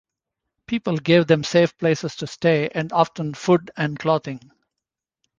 People gave them safe places to stay and often food and clothing.